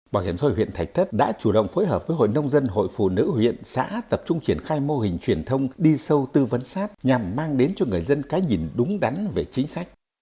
bảo hiểm xã hội huyện thạch thất đã chủ động phối hợp với hội nông dân hội phụ nữ huyện xã tập trung triển khai mô hình truyền thông đi sâu tư vấn sát nhằm mang đến cho người dân cái nhìn đúng đắn về chính sách